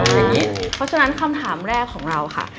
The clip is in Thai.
เพราะฉะนั้นคำถามแรกของเราค่ะ